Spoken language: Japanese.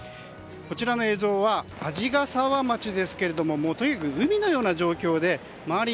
こちらの映像は鰺ヶ沢町ですがとにかく海のような状況で周り